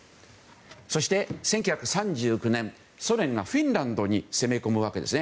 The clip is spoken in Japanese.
そして、１９３９年ソ連がフィンランドに攻め込むわけですね。